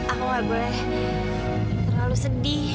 aku gak boleh terlalu sedih